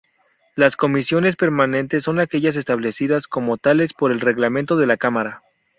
Las Comisiones Permanentes son aquellas establecidas como tales por el Reglamento de la Cámara.